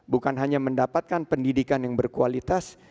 bukan hanya mendapatkan pendidikan yang berkualitas